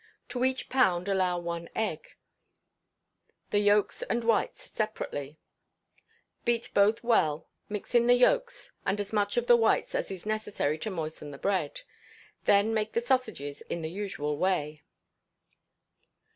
To each pound allow one egg, the yolks and whites separately; beat both well, mix in the yolks, and as much of the whites as is necessary to moisten the bread. Then make the sausages in the usual way.